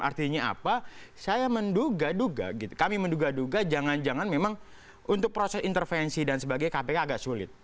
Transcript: artinya apa saya menduga duga gitu kami menduga duga jangan jangan memang untuk proses intervensi dan sebagainya kpk agak sulit